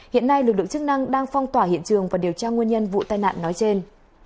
hiện nay lực lượng chức năng đang phong tỏa hiện trường và điều tra nguyên nhân vụ tai nạn nói trên